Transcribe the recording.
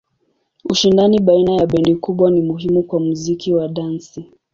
Ushindani baina ya bendi kubwa ni muhimu kwa muziki wa dansi.